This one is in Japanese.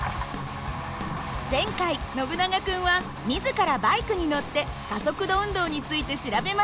前回ノブナガ君は自らバイクに乗って加速度運動について調べました。